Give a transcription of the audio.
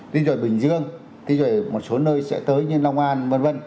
thì rồi bình dương thì rồi một số nơi sẽ tới như long an v v